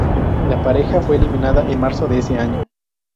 La pareja fue eliminada en marzo de ese año.